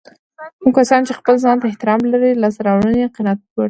کوم کسان چې خپل ځانته احترام لري لاسته راوړنې يې د قناعت وړ وي.